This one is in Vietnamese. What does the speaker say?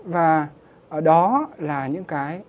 và đó là những cái